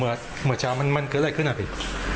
แล้วเมือเจ้ามั่นมั่นเกิดอะไรขึ้นอ่ะพี่